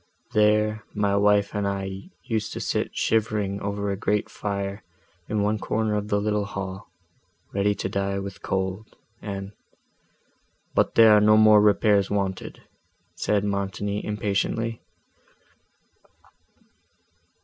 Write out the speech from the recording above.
There, my wife and I used to sit shivering over a great fire in one corner of the little hall, ready to die with cold, and—" "But there are no more repairs wanted," said Montoni, impatiently.